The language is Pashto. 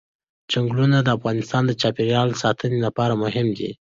چنګلونه د افغانستان د چاپیریال ساتنې لپاره مهم دي.